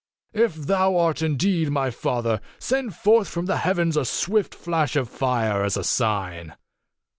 If thou art indeed my father, send forth from the heavens a swift flash of fire as a sign."